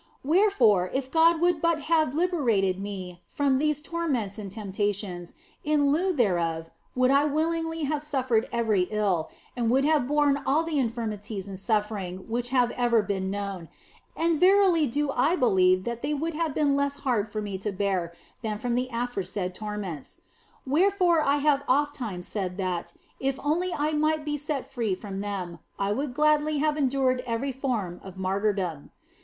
Wherefore, if God would but have liberated me from these torments and temptations, in lieu thereof would I willingly have suffered every ill and would have borne all the infirmities and suffering which have ever been known, and verily do I believe that they would have been less hard for me to bear than were the aforesaid torments. Wherefore have I ofttimes said that, if only I might be set free from them, I would gladly have endured every form of martyrdom.